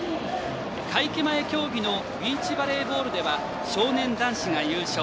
会期前競技のビーチバレーボールでは少年男子が優勝。